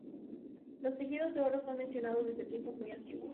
Los tejidos de oro son mencionados desde tiempos muy antiguos.